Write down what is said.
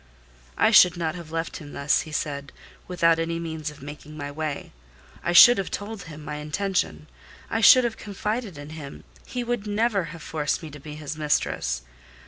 I should not have left him thus, he said, without any means of making my way: I should have told him my intention. I should have confided in him: he would never have forced me to be his mistress.